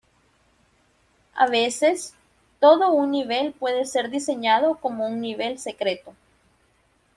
A veces, todo un nivel puede ser diseñado como un nivel secreto.